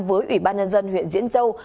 với ủy ban nhân dân huyện diễn châu